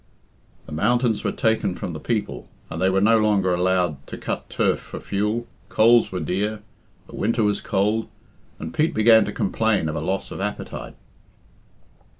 The mountains were taken from the people, and they were no longer allowed "to cut turf for fuel; coals were dear, the winter was cold, and Pete began to complain of a loss of appetite.